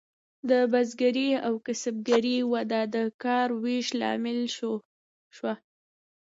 د بزګرۍ او کسبګرۍ وده د کار ویش لامل شوه.